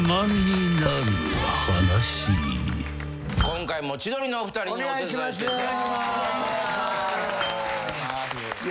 今回も千鳥のお二人にお手伝いしていただきます。